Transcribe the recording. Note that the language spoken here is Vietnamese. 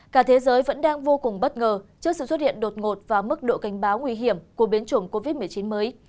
cả thế giới vẫn đang vô cùng bất ngờ trước sự xuất hiện đột ngột và mức độ cảnh báo nguy hiểm của biến chủng covid một mươi chín mới